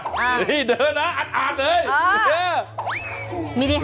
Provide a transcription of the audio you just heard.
นี่เดือนละอัดเลย